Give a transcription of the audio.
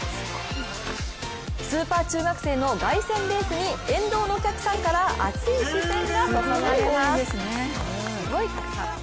スーパー中学生の凱旋レースに沿道のお客さんから熱い視線が注がれます。